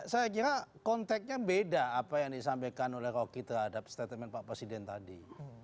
saya kira konteknya beda apa yang disampaikan oleh rocky terhadap statement pak presiden tadi